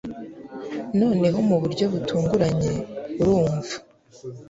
noneho mu buryo butunguranye urumva